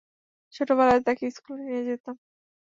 ছোটবেলায় তাকে স্কুলে নিয়ে যেতাম।